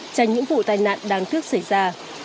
tránh những vụ tai nạn đáng thước xảy ra